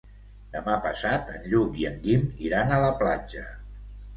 Demà passat en Lluc i en Guim iran a la platja.